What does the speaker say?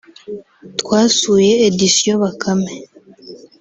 twasuye Editions Bakame